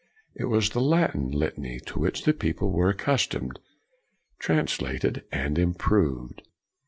It was the Latin litany, to which the people were accus tomed, translated and improved.